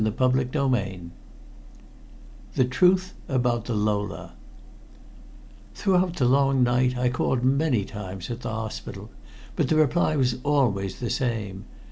CHAPTER XVII THE TRUTH ABOUT THE "LOLA" Throughout the long night I called many times at the hospital, but the reply was always the same.